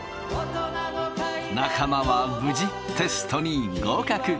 仲間は無事テストに合格。